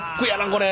これ。